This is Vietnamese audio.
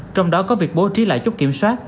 trong đó có việc bố trí lại chút kiểm soát